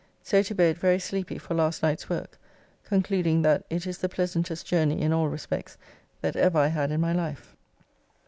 So to bed very sleepy for last night's work, concluding that it is the pleasantest journey in all respects that ever I had in my life.